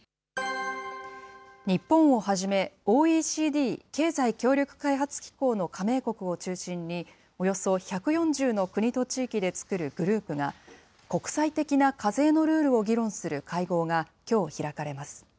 日本をはじめ、ＯＥＣＤ・経済協力開発機構の加盟国を中心に、およそ１４０の国と地域で作るグループが、国際的な課税のルールを議論する会合が、きょう開かれます。